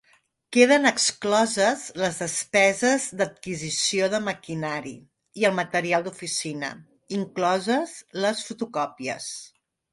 Queden excloses les despeses d'adquisició de maquinari i el material d'oficina, incloses les fotocòpies.